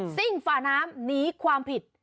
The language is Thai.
่งฝ่าน้ำหนีความผิด